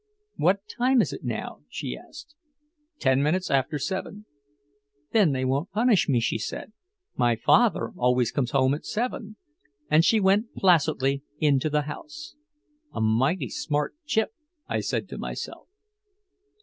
"What time is it now?" she asked. "Ten minutes after seven." "Then they won't punish me," she said. "My father always comes home at seven." And she went placidly into the house. "A mighty smart Chip," I said to myself.